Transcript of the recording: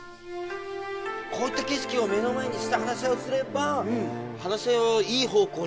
こういった景色を目の前にして話し合いをすれば話し合いはいい方向に進みますよね。